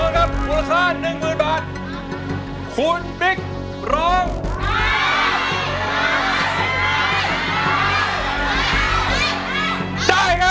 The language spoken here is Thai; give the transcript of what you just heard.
ร้องได้ร้องได้